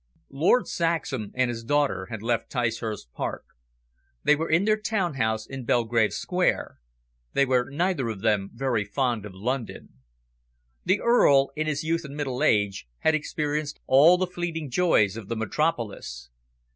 Lord Saxham and his daughter had left Ticehurst Park. They were in their town house in Belgrave Square. They were neither of them very fond of London. The Earl, in his youth and middle age, had experienced all the fleeting joys of the Metropolis.